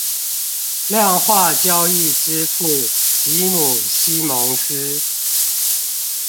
量化交易之父吉姆西蒙斯